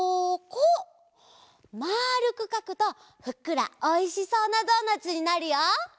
まるくかくとふっくらおいしそうなドーナツになるよ！